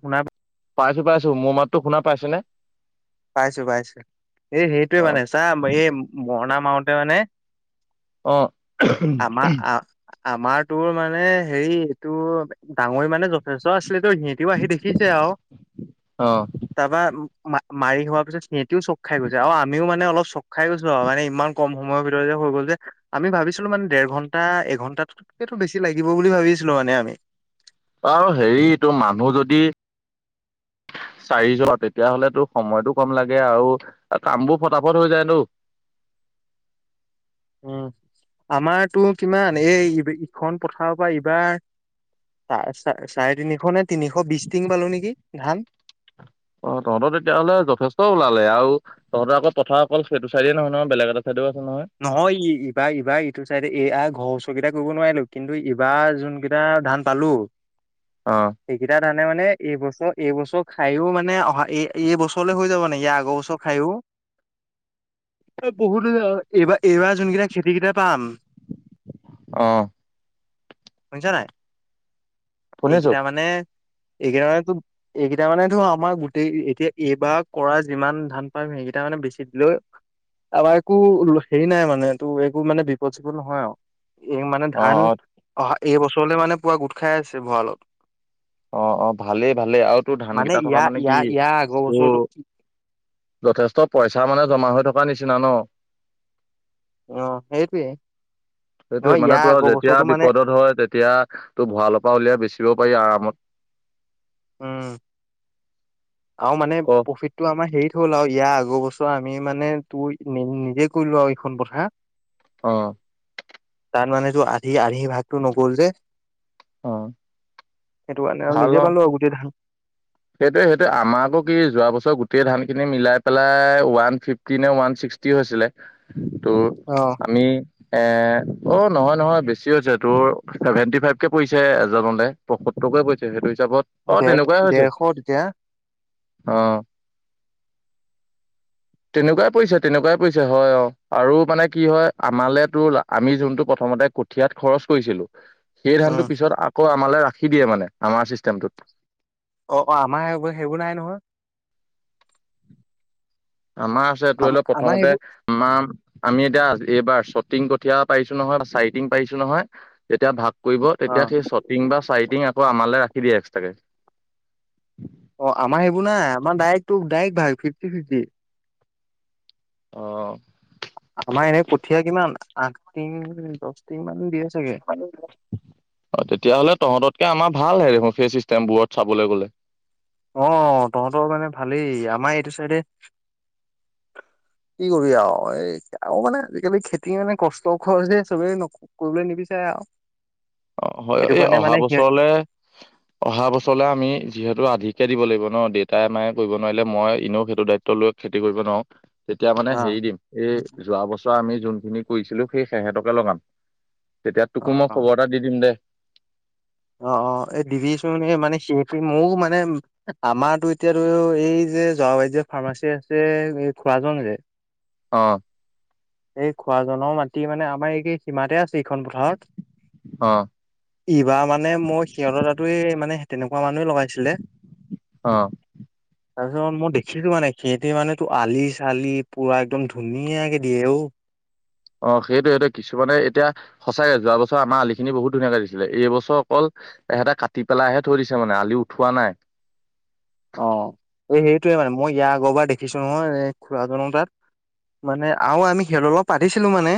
শুনা। পাইছো, পাইছো মোৰ মাততো শুনা পাইছে। পাইছো, পাইছো এই সেইটোৱে অ মানে চাহ এই মৰণা মওতে মানে অ'। আমাৰ আমাৰ তোৰ মানে হেৰি এইটো ডাঙৰি মানে চচ আছিল তো, সিহঁতিও আহি দেখিছে আৰু অ তাৰপা মাৰি হোৱাৰ পিত সিহতিও চক খাইছে আৰু আমও মানে অলপ চ, খাই গৈছো আৰু মানে ইমান কম সময়ৰ ভিতৰতে যে হৈ গ'ল যে, আমি ভাবিছিলো মানে দেৰ ঘন্টা, এঘন্টাত সেইটো বেছি লাগিব বুলি ভাবিছিলো মানে আমি। আৰু হেৰিটো মানুহ যদি [inaudible] চাৰিশ তেতিয়াাহলে তো, সময়তটো কম লাগে আৰু কাম বোৰ ফটাফট হৈ যায় নো। উম, আমাৰতো কিমান এই ইখন। পথাৰৰ পৰা এইবাৰ। চ, চ, চাৰে তিনিশ নে, তিনিশ বিশ টিং পালো নেকি ধান। অ, তহঁতৰ তেতিয়াহ'লে যথেষ্ট ওলালে আৰু তহঁতেৰ আকৌ কথা অকল সেইটো চাইডে নহয় নহয় বেলেগ এটা চাইডে নহয়, ই, এইবাৰ এইবাৰ ইটো চাইডে এই ঘৰ ওচৰকেইটা কৰিব নোৱাৰিলো। কিন্তু ইবাৰ যোন কেইটা ধান পালো অ সেইকেইটা ধান। মানে, মানে এইবছৰ এইবছৰ খায়ো মানে অহা এই, এই বছৰলৈ হৈ যাব নে ইয় আগৰ বছৰ খায়ো। বহুত এইবাৰ, এইবাৰ যোন কেইটা খেতিকেইটা পাম। অ'। শুনিছ নাই, শুনিছো এইকেইটা মানে এইকেইটা মানে এইকেইটা মানে আমাৰ গোটেই এতিয়া এইবাৰ কৰা যিমান ধান পামে। এইকেইটা মানে বেছি দিলৈ আমাৰ একো হেৰি নাই মানে তটো একো মানে বিপদ, চিপদ নহয় আৰু এই মানে অ ধান অ অহা এইবছৰলৈ মানে পুৱা গোট খাই আছে, ভঁৰালত। অ', অ', ভালেই, ভালেই আৰু তোৰ ধান কেইটা থকা ইয়াৰ মানে কি ইয়াৰ ইয়াৰ আগৰ তোৰ বছৰটো যথেষ্ট পইচা মানে জমা হৈ থকা নিচিনা ন। অ, সেইটোৱে। সেইটো নহয় মানে ইয়াৰ তো, আৰু আগৰ যেতিয়া বছৰটো মানে বিপদত হয়, তেতিয়া তোৰ ভৰালৰ পৰা উলিয়াই বেচিব পাৰি আৰামত। উম, আৰু মানে ক প্ৰফিতটো আমাৰ হেৰি হ'ল আৰু ইয়াৰ আগৰ বছৰ আমি মানে তোৰ নিজে কলো আৰু এইখন কথা। অ'। তাৰ মানে তো, আধি আহি ভাগতটো নগ'ল যে অ সেইটো কাৰণে আৰু নিজে পালো আৰু গোটেই ধান সেইটোয়ে, সেইটো আমাৰবোৰ কি যোৱা বছৰ গোটেই ধান খিনি মিলাই পেলাই ওৱান ফিফটি নে ওৱান ছিক্স ছিক্সটি হৈছিলে ত, অ' আমি এ, অ, নহয়, নহয়, বেছি হৈছে তোৰ চেভেন্টি ফাইভকে পৰিছে এজনেলে। টোকে কৈছে সেইটো হিচাপত অ, তেনেকুৱাই হৈছে। এতিয়া? আহ। [inaudible] তেনেকুৱাই পৰিছে, তেনেকুৱাই পৰিছে হয়, অ, আৰু মানে কি হয় আমালে তো, আমি যোনটো প্ৰথম প্ৰথমতে কঠিয়াত খৰচ কৰিছিলো। সেই উম ধানটো পিছত আকৌ আমালৈ ৰাখি দিয়ে মানে আমাৰ চিষ্টেমটোত। অ', অ', আমাৰ সেইবোৰ, সেইবোৰ নাই নহয়। আমাৰ আছে ধৰি আম লও আমাৰ প্ৰথমতে সেইবোৰ আমাৰ আমি এতিয়া আজ এইবাৰ শ্বটিং কঠীয়া পাৰিছো নহয় বা চাইটিং পাৰিছো নহয়। যেতিয়া ভাগ কৰিব তেতিয়া অ' সেই ছটিং বা চাৰিটিং আকৌ আমালৈ ৰাখ ফ্ৰি এক্সট্ৰাকে অ', আমাৰ সেইবোৰ নাই আমাৰ ডাইৰেক্ট তোৰ ডাইৰেক্ট ভাই ফিফটি ফিফটি। অ'। আমাৰ এনে কঠিয়া কিমান, আঠ টিং দহ টিং মান দিয়ে। চাগে অ', তেতিয়াহ'লে তহঁততকে আমাৰ ভালহে দেখোন সেই চিষ্টেম বোৰত চাবলৈ গ'লে। অ', তহঁতৰ মানে ভালেই আমাৰ এইটো চাইডে কি কৰিবি আৰু, এই আৰু মানে আজিকালি খেতি মানে কষ্ট খৰচ যে চবেই কৰিবলৈ নিবিচাৰে। যও [unintelligible] অ', হয় এই অহা বছৰলে, অহা বছৰলে আমি যিহেতু আধিক দিব লাগিব ন, দেউতাই মায়ে কৰিব নোৱাৰিলে মই এনেও সেইটো দায়িত্ব লৈ খেতি কৰিব নোৱাৰো। তেতিয়া মানে অ হেৰি দিম, এই যোৱা বছৰ আমি যোনখিনি কৰিছিলো সেই সিহঁতকে লগাম। তেতিয়া তোক অ মই অ খবৰ এটা দি দিম দে। অ', অ', এই দিবিচোন মানে সি মোৰ মানে আমাৰো এতিয়াতো ধৰিলো যাওঁ ফাৰ্মাচী আছে খুৰাজন যে অ'। এই খুৰাজনৰ মাটি মানে আমাৰ এই সীমাতে আছে এইখন পথাৰত। অ ইবাৰ মানে মই সিহঁতৰ তাতো মানে তেনেকুৱা মানে লগাইছিলে। অ তাৰপিছত মই দেখিছো মানে সিহঁতে মানে তোৰ আলি-চালি পুৰা একদম ধুনীয়াকে [unintelligible] অ', সেইটোৱেটো, কিছুমানে এতিয়া সঁচাকে যোৱা বছৰ আমাৰ আলিখিনি বহুত ধুনীয়া গজিছিলে, এই বছৰ অকল এহেতে কাটি পেলাইহে থৈ দিছে মানে আলি উঠোৱা নাই। [inaudible] অ', এই সেইটোৱে মানে মই ইয়াৰ আগৰবাৰ দেখিছো নহয় এ খুৰাজনৰ তাত। মানে আৰু আমি খেল অলপ পাতিছিলো মানে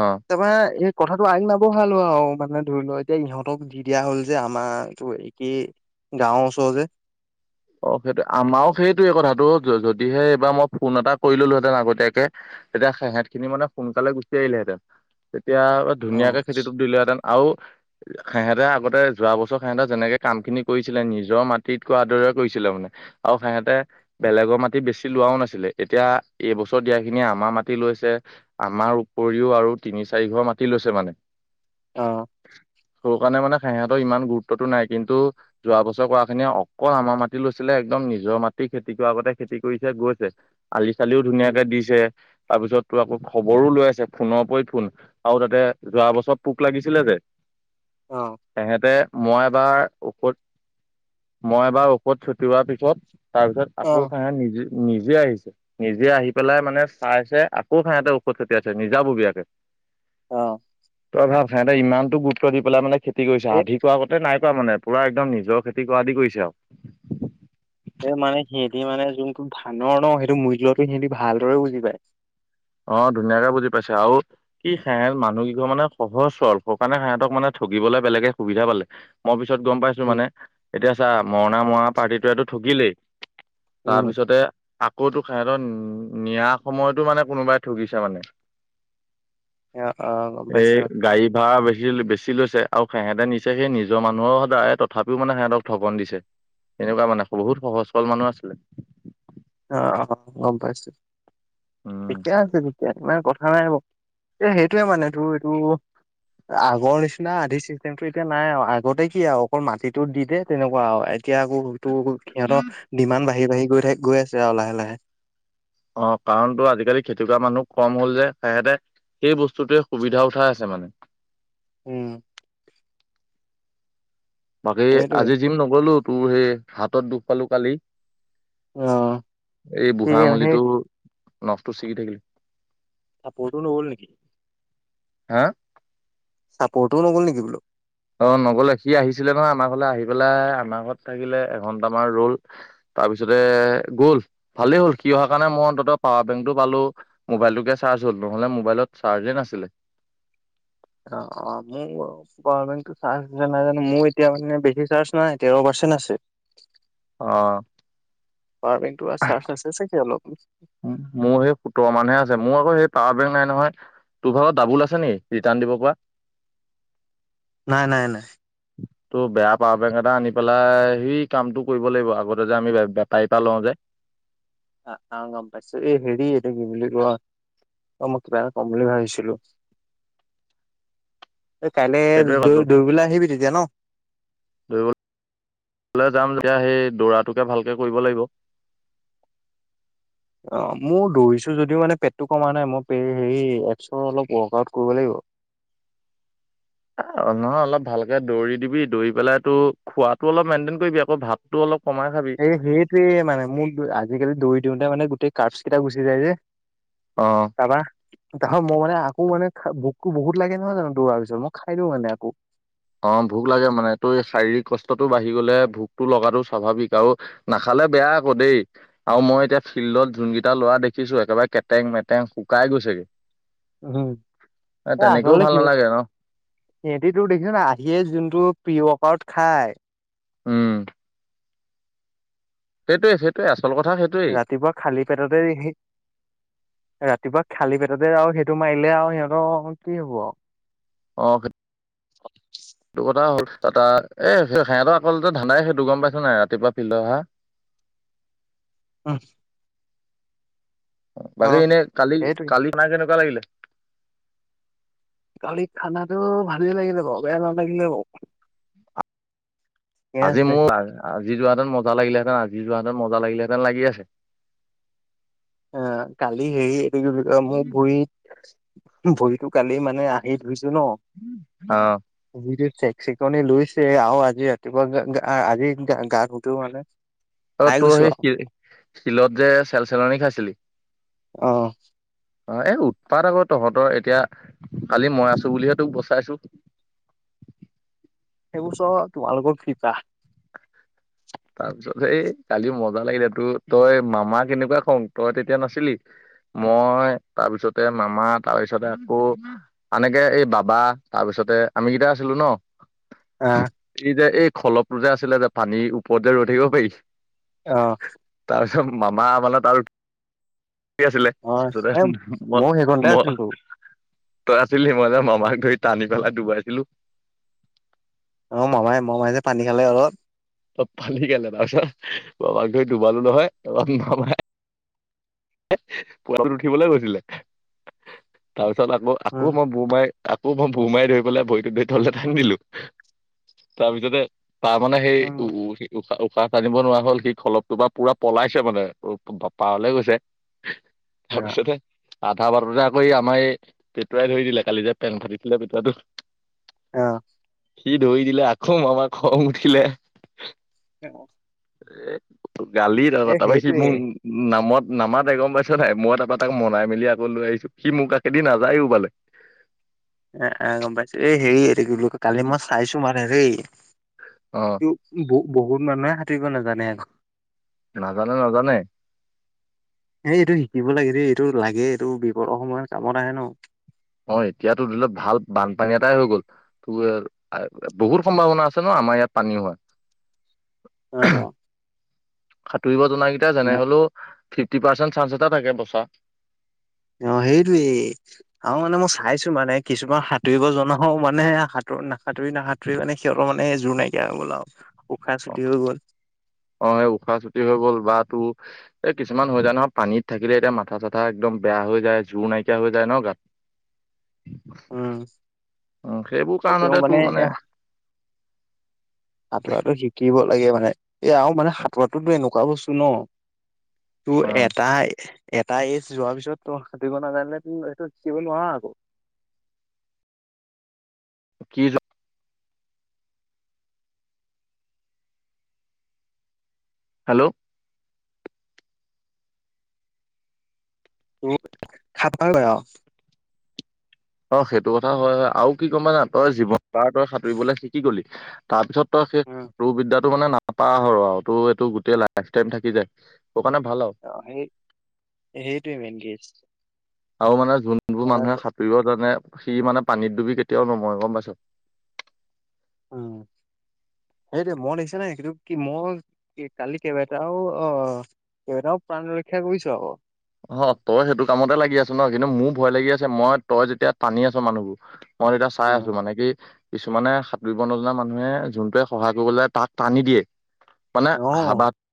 অ তাৰপৰা কথাটো আগ নবঢ়ালো আৰু মানে ধৰি লও এতিয়া ইহঁতক দি দিয়া হ'ল যে আমাৰ এইটো এই কি গাঁৱৰ ওচৰৰ যে অ', সেইটো আমাৰো সেইটোয়ে কথাটো, যদিহে এইবাৰ মই ফোন এটা কৰি ললোহেতেন আগতীয়াকে। তেতিয়া সেহঁতখিনি মানে সোনকালে গুচি আহিলেহেঁতেন, তেতিয়া অ ধুনীয়াকে খেতিটো দিলেহেঁতেন। আৰু সিহেঁতে আগতে, যোৱা বছৰ সিহঁতে যেনেকে কাম খিনি কৰিছিলে নিজৰ মাটিত কৰাৰ দৰে কৰিছিলে মানে আৰু সিহেঁতে বেলেগৰ মাটি বেছি লোৱাও নাছিলে এতিয়া এইবছৰ দিয়া খিনি আ আমাৰ মাটি লৈছে, আমাৰ উপৰিও আৰু তিনি চাৰি ঘৰ মাটি লৈছে মানে। অ'। সেইকাৰণে মানে সিহঁতৰ ইমান গুৰুত্বতটো নাই, কিন্তু যোৱা বছৰ কৰা খিনি অকল আমাৰ মাট লৈছিলে একদম নিজৰ মাটি খেতি কৰাৰ আগতে খেতি কৰিছে, গৈছে। আলি-চালিও উম ধুনীয়াকে দিছে। তাৰপিছত তোৰ আকৌ খবৰো লৈ আছে ফোনৰ ওপৰত ফোন আৰু তাতে যোৱা বছৰত পোক লাগিছিলে যে অ তেহেঁতে মই এবাৰ ঔষধ, মই এবাৰ ঔধ কত ছটিওৱাৰ পিছত, তাৰপিছত অ আকৌ খাঙে নিজে নিজে আহিছে, নিজে আহি পেলাই মানে চাই চাই আকৌ সিহঁতে ঔষধ ছটিয়াইছে নিজাববীয়াকে। অ'। তই ভাব সিহঁতে ইমানটো গুৰুত্ব দি পেলাই মানে খেতি কৰিছ এই আধিক আগতে নাই মানে পুৰা একদম নিজৰ খেতি কৰা দি কৰিছে আৰু। এই মানে সিহঁতে মানে যোনটো ধানৰ ন, সেইটো মূজ্যটো সিহঁতে ভালদৰে বুজি পায়। অ', ধুনীয়াকে বুজি পাইছে আৰু কি সিহঁত মানুহ কেইঘৰ মানে সহজ সৰল, সেইকাৰণে সিহঁতক মানে ঠগিবলৈ বেলেগে সুবিধা পালে, মই পিছত গম পাইছো উম মানে, এতিয়া চা মৰণা মৰা পাৰ্টিটোৱেটো ঠগিলেই। উম তাৰপিছতে, আকৌতো সিহঁতৰ নিয়া সময়তো মানে। কোনোবাই ঠগিছে মানে। অ অ গম এই পাইছো গাড়ী ভাড়া বেছি। বেছি লৈছে আৰু সিহঁতে নিছেহি নিজৰ মানুহৰ সদায়, তথাপিও মানে সিহঁতক ঠগন দিছে। এনেকুৱা মানে, বহুত সহজ-সৰল মানুহ আছিলে। অ অ', গম পাইছো, উম ঠিকে আছে ঠিকয়া ইমান কথা নাই বাৰু, এ সেইটোয়ে মানেটোৰ এইটো। আগৰ নিচিনা আধি চিষ্টেমটো এতিয়া নাই আৰু আগতে কি আৰু অকল মাটিটো দি দে, তেনেকুৱা আৰু। এতিয়া আকৌ সেইটো, সিহঁতৰ ডিমান বাঢ়ি বাঢ়ি গৈ থাক, গৈ আছে আৰু লাহে লাহে। অ' কাৰণতো আজিকালি খেতি কৰা মানুহ কম হ'ল যে সেহেঁতে। সেই বস্তুটোৱে সুবিধা উঠাই আছে মানে। উম বাকী, সেইটোৱে আজি জিম নগ'লো, তোৰ সেই হাতত দুখ পালো কালি। অ এই কি বুঢ়া সেই আঙুলিটো, নখটো ছিগি থাকিলে। চাপৰ্টো নহ'ল নেকি? হা, চাপোৰ্টও নগ'ল নেকি বোলো? অ' নগ'লে, সি আহিছিলে নহয় আমাৰ ঘৰলে, আহি পেলাই আমাৰ ঘৰত থাকিলে, এঘন্টামান ৰ'ল। তাৰপিছতে গ'ল, ভালেই হ'ল, সি অহাৰ কাৰণে মই অন্তত পাৱাৰ বেংক টো পালো, মোবাইল টোকে চাৰ্জ। চাৰ্জ হ'ল, নহ'বা মোবাইলত চাৰ্জে নাছিলে। অ' অ', মোৰ পাৱাৰ বেংকটো চাৰ্জ আছেনে নাই জানো, মোৰ এতিয়া মানে বেছি চাৰ্জ নাই তেৰ পাৰ্চেন্ট। পাৰ্চেন্ট আছে। অ'। পাৱাৰ বেংকটো চাৰ্জ আছে চাগে অলপ উ, মোৰ সেই সোতৰ মানহে আছে, মোৰ আকৌ সেই। পাৱাৰ বেংক নাই নহয়, তোৰ ভাগৰ ডাবোল আছে নেকি? ৰিটাৰ্ন দিব পৰা। নাই নাই নাই। তোৰ বেয়া পাৱাৰ বেংক এটা আনি পেলাই, এই কামটো কৰিব লাগিব, আগতে যে আমি বেপাৰীৰ পৰা লও যে। আ আ গম পাইছোঁ, এই হেৰি এইটো কি বুলি কয়। অ' মই কিবা এটা কম বুলি ভাবিছিলোঁ। এই কাইলে সেইটোৱে দ পাতো দৌৰিবলৈ আহিবি তেতিয়া ন? এতিয়া সেই দৌৰাটোকে ভালকে কৰিব লাগিব। অ', মোৰ দৌৰিছো যদিও মানে পেটটো কমা নাই, মই হেৰি এপছৰ অলপ ৱৰ্ক আউট কৰিব লাগিব। [unintelligible] অ' নহয়, অলপ ভালকে দৌৰি দিবি, দৌৰি পেলাই তো খোৱাটো অলপ মেন্টেন কৰিবি আকৌ, ভাতটো অলপ। কমাই খাবি এই সেইটোৱে মানে, মোক আজিকালি দৌৰি দিওঁতে মানে, গোটেই কাৰ্ভচ কেইটা গুচি যায় যে। অ টাবা। তাৰপা মই মানে আকৌ, মানে ভোকটো বহুত লাগে নহয় জানো দৌৰাৰ পিছত, মই খাই দিওঁ মানে আকৌ। অ ভোক লাগে মানে তোৰ এই শাৰীৰিক কষ্টটো বাঢ়ি গ'লে ভোকটো লগাটো স্বাভাৱিক আৰু নাখালে বেয়া আকৌ দেই আৰু মই এতিয়া ফিল্ডত যোনকেইটা ল'ৰা। অ' দেখিছো একেবাৰে কেটেং মেটেং শুকাই গৈছেগে। উম্, এ তেনেকেও আচলতে ভাল নালাগে ন সিহঁতি তোক দেখিচা নে নাই। সিয়ে যোনটো প্ৰিয় অকাৰত খায়। উম্। সেইটোয়ে, সেইটোয়ে আচলতে। ৰাতিপুৱা খালী পেটতে সি। ৰাতিপুৱা খালী পেটতে আৰু সেইটো মাৰিলে আৰু সিহঁতৰ কি হ'ব। অ', সেইটো কথা হ'ল। তাত তাই এই সিহঁতৰ অকল ধান্দাই সেইটো গ'ম পাইছ নাই, ৰাতিপুৱা ফিল্ডত অহা। ওহ। বাকী এনেই কালি, সেইটোৱে। কালি পাই কেনেকুৱা লাগিলে কালি খানাটো ভালেই লাগিলে বাৰু, বেয়া নালাগিলে বাৰু। ঠিকে আজি আছে। মোৰ, আজি যোৱাহেতেন মজা লাগিলেঁহেতেন। যি যাহেঁতেন মজা লাগিলেহেঁতেন লাগি আছে অ কালি হেৰি এইটো কিয় মোৰ ভৰিত ভৰিতো কালি মানে আহি ধৰিছ অ' চেকচেকনি লইছে আৰু আজি ৰাতিপুৱা আজি গা ধোও মানে আৰু পাই তোৰ গৈছো সেই শিলতযে চেল চেলনি খাইছিলি অ' অ' এ, উৎপাত আকৌ তহঁতৰ, এতিয়া কালি মই আছো বুলিহে তোক বচাইছো সেইবোৰ চব তোমালোকৰ কৃপা তাৰপিছত এই, কালি মজা লাগিলে তোৰ তই মামা কেনেকুৱা খং, তই তেতিয়া নাছিলি মই তাৰপিছতে মামা তাৰপিছতে আকৌ এনেকে এই বাবা তাৰ পিছ তাৰপিছতে আমি কেইটা আছিলো ন? আহ এই যে এই খলপটো যে আছিলে যে পানী ওপৰতে ৰৈ থাকিব পাৰি অ' তাৰপিছত মামা মানে তাত আছিলে হয় এ [unintelligible] মই ময়ো সেইকণতে মই আছিলোতো তই আছিলি মই যে মামাক গৈ টানি পেলাই ডুবাইছিলো অ' মামাই-মামাই যে পানী খালে অলপ পানী খালে, তাৰপিছত আমাক ধৰি দুবালো নহয়, মামাই [unintelligible] উঠিবলৈ গৈছিলে তাৰ পিছত আকৌ আকৌ উম মই বো মাৰি আকৌ মই বোমাই ধৰি পেলাই ভৰিটোত ধৰি তললে টানি দিলো, তাৰ পিছতে তাৰমানানে সেই উম উশাহ-উশাহ টানিব নোৱাৰা হল সি খলপটোৰ পৰা পোৰা পলাইছে মানে, পাৰলে গৈছে অ' তাৰপিছতে আধা বাতটে এই আমাৰ এই পেটুৱাই ধৰি দিলে, কালি যে পেণ্ট ফাঁতিছিলে পেটুৱাটো অ' সি ধৰি দিলে, আকৌ মামাৰ খং উঠিলে [inaudible] এ গালি তাপা এ তাৰপৰা সি সেইটোৱে মোক নামত নামাতে গম পাইছ নাই, মই তাৰপৰা তাক মনাই মেলি আকৌ লৈ আহিছো, সি মোৰ কাষেদি নাযাইও মানে এ এ গম পাইছো, এই হেৰি এইটো কি বুলি কৈ, কালি মই চাইছো মান দেই অ ব-বহুত মানুহে সাঁতুৰিব নাজানে আকৌ নাজানে, নাজানে এ এইটো শিকিব লাগে দেই, এইটো লাগে, এইটো বিপদৰ সময়ত কামত আহে ন অ' এতিয়াতো ধৰি ল ভাল বানপানী এটাই হৈ গ'ল, ত বহুত সম্ভাৱনা আছে ন? আমাৰ ইয়াত পানী হোৱা [inaudible] সাঁতুৰিব জোনাকেইটাই যেনে হলেও ফিফটি পাৰ্চেন্ট চান্স এটা থাকে বচা অ' সেইটোৱেই, আৰু মানে মই চাইছো মানে কিছুমান সাঁতুৰিব জনাও মানে সাঁতোৰ নাসাতো ৰি নাহতুৰি মানে সিহঁৰানে জোৰ নাইকিয়া হৈ গ'ল আৰু উশাহ চুলি হৈ গ'ল অ' এই উশাহ চুটি হৈ গ'ল, বা তোৰ এ কিছুমান হৈ যায় নহয় পানীত থাকিলে এতিয়া মাথা চাথা একদম বেয়া হৈ যায়, জোৰ নাইকিয়া হৈ যায় ন গাত উম' উ সেইবোৰ তেওঁ কাৰণতে তোৰ মানে এ সা সাটোৰাতো শিকিব লাগে মানে, এই আৰু মানে সাঁতোৰাতো টোৰ এনেকুৱা বস্তু ন, তোৰ অ এটা এটা এইজ যোৱাৰ পিছত তই সাঁতুৰিব নাজনিলে টোৰ সেইটো শিকিব নোৱাৰা আকৌ কি য হেল্ল' খাপা অ সেইটো কথা হয় হয় আৰু কি গম পাওঁ নে তই জীৱন তাৰ তই সাঁতুৰিবলৈ শিকি গলি তাৰপিছত তই সেই উম তোৰ বিদ্যাটো মানে নাপাহৰ তোৰ এইটো গোটেই লাইফ তইম থাকি যায়। কাৰণে ভাল আৰু অ, সেই সেইটোৱে মেইন কেজ। আৰু মানে যোনবোৰ মানুহে সাঁতুৰিব জানে সি মানে পানীত ডুবি কেতিয়াও নমৰে গম পাইছো। উম, সেইটো মই দেখিচোনে নাই সেইটো কি মই কালি কেইবাটাও অ, কেইবাটাও প্ৰাণ ৰক্ষা কৰিছো আকৌ। অ তই সেইটো কামতে লাগি আছ ন কিন্তু মোৰ ভয় লাগি আছে মই তই যেতিয়া টানি আছ মানুহবোৰ মই এতিয়া চাই আছো মানে কি কিছুমানে সাঁতোৰিব নজনা মানুহে যোনটোৱে সহায় কৰিব লাগে তাক টানি দিয়ে মানে অ অ হাবা